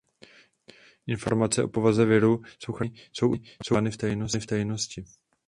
Informace o povaze viru jsou chráněny, jsou udržovány v tajnosti.